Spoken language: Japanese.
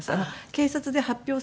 警察で発表されて。